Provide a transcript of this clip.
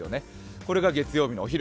これが月曜日のお昼。